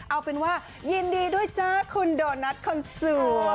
เอาเป็นว่ายินดีด้วยจ้าคุณโดนัทคนสวย